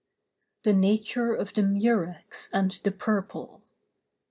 THE NATURE OF THE MUREX AND THE PURPLE.